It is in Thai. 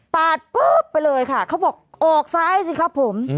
ปุ๊บไปเลยค่ะเขาบอกออกซ้ายสิครับผม